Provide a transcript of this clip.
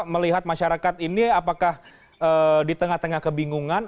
melihat masyarakat ini apakah di tengah tengah kebingungan